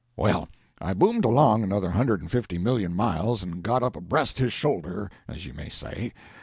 Well, I boomed along another hundred and fifty million miles, and got up abreast his shoulder, as you may say.